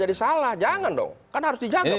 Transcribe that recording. jadi salah jangan dong kan harus dijangka presiden